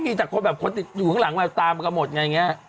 ไม่คิดตะโกนแบบคนอยู่ข้างหลังมาตามกระหมกยังไง